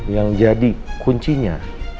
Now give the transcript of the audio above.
yang jadi kuncinya